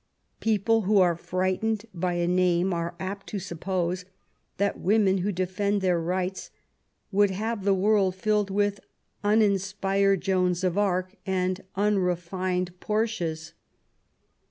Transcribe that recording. People who are frightened by a name are apt to suppose that women who defend their rights would have the world fiUed with uninspired Joans of Arc, and unrefined Portias.